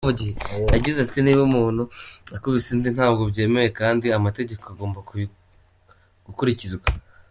Yagize ati “Niba umuntu akubise undi, ntabwo byemewe kandi amategeko agomba gukurikizwa.